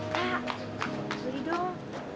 kak beri dong